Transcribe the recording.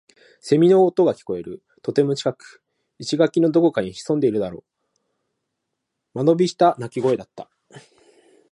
蝉の声が聞こえる。とても近く。生垣のどこかに潜んでいそうだった。間延びした鳴き声だった。